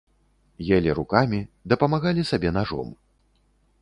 Елі рукамі, дапамагалі сабе нажом.